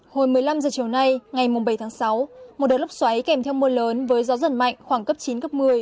hồi một mươi năm giờ chiều nay ngày bảy tháng sáu một đợt lốc xoáy kèm theo mưa lớn với gió dần mạnh khoảng cấp chín một mươi